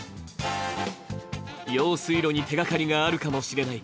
用水路に手がかりがあるかもしれない。